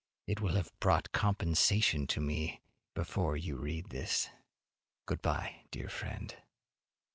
It will have brought compensation to me before you read this. Good by, dear friend!